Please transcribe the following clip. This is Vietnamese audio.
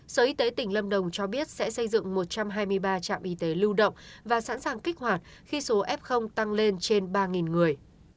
sở y tế tỉnh lâm đồng cho biết sẽ xây dựng một trăm hai mươi ba trạm y tế lưu động và sẵn sàng kích hoạt khi số f tăng lên trên ba người